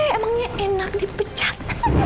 emangnya enak dipecat